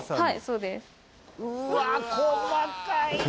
はい。